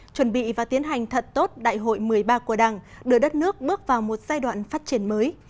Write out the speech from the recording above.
chuẩn bị và tiến hành thật tốt đại hội một mươi ba của đảng đưa đất nước bước vào một giai đoạn phát triển mới